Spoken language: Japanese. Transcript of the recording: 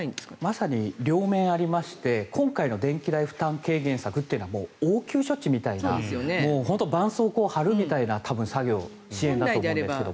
まさに両面ありまして今回の電気代負担軽減策は応急処置みたいなばんそうこうを貼るみたいな作業支援だと思うんですけど。